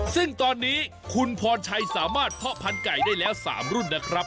ซึ่งตอนนี้คุณพรชัยสามารถเพาะพันธุไก่ได้แล้ว๓รุ่นนะครับ